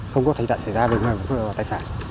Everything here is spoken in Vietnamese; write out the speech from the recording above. không có thể xảy ra vấn đề về tài sản